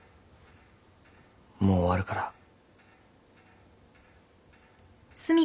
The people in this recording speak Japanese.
もう終わるから。